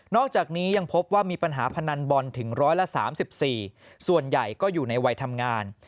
อกจากนี้ยังพบว่ามีปัญหาพนันบอลถึง๑๓๔ส่วนใหญ่ก็อยู่ในวัยทำงาน